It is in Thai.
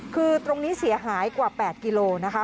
คือตรงนี้เสียหายกว่า๘กิโลนะคะ